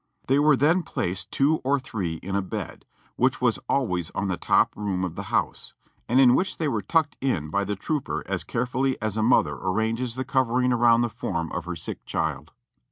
They were then placed two or three in a bed, which was always in the top room of the house, and in which they were tucked in by the trooper as carefully as a mother arranges the covering around the form of her sick child.